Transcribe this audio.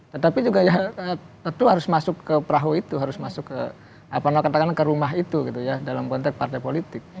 tetapi juga ya tentu harus masuk ke perahu itu harus masuk ke apa namanya katakan ke rumah itu gitu ya dalam konteks partai politik